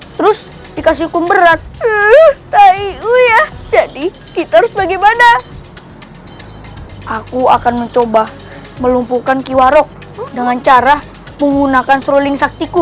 terus bagaimana aku akan mencoba melumpuhkan kiwarok dengan cara menggunakan stroling saktiku